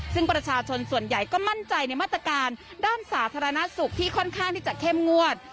ซึ่งประชาชนส่วนใหญ่ก็มั่นใจในมาตรการด้านสาธารณสุขที่ค่อนข้างที่จะเข้มงวด